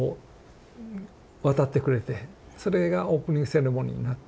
それがオープニングセレモニーになって。